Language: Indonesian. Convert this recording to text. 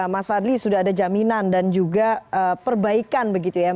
mas fadli sudah ada jaminan dan juga perbaikan begitu ya